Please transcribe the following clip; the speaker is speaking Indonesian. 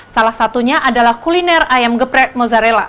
salah satunya adalah kuliner ayam gepret mozzarella